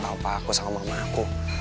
apa aku sama mama aku